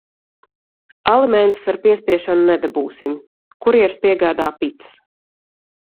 Alimentus ar piespiešanu nedabūsim. Kurjers piegādā picas.